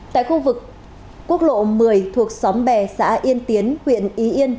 tại khu vực quốc lộ một mươi thuộc xóm bè xã yên tiến huyện ý yên